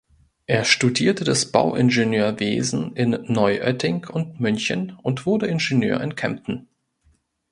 Er studierte das Bauingenieurwesen in Neuötting und München und wurde Ingenieur in Kempten.